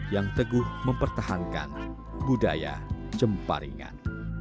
yang teguh mempertahankan budaya cemparingan